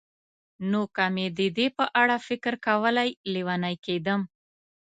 نو که مې د دې په اړه فکر کولای، لېونی کېدم.